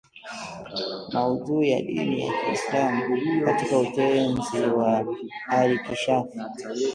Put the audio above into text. maudhui ya dini ya Kiislamu katika Utenzi wa Al-Inkishafi